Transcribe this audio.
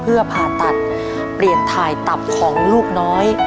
เพื่อผ่าตัดอันใช้ชีวิตของลูกน้อย